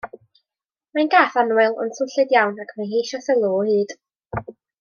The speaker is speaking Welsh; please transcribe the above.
Mae'n gath annwyl ond swnllyd iawn, ac mae hi eisiau sylw o hyd.